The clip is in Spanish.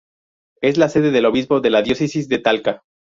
Es la sede del obispo de la Diócesis de Talca.